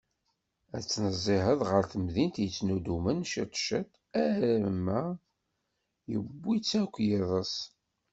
Ad tettnezzih ɣer temdint yettnuddumen ciṭ ciṭ arma yiwi-tt akk yiḍes.